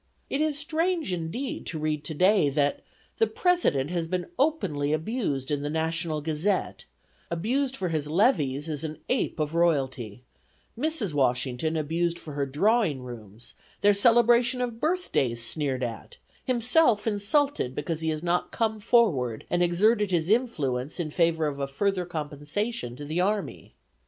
It is strange indeed to read today that "the President has been openly abused in the National Gazette, abused for his levees as an ape of royalty; Mrs. Washington abused for her drawing rooms; their celebration of birth days sneered at; himself insulted because he has not come forward and exerted his influence in favor of a further compensation to the army.